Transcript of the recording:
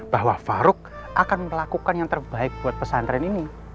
bahwa farouk akan melakukan yang terbaik buat pesantren ini